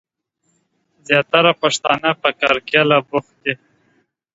زياتره پښتنه په کرکيله بوخت دي.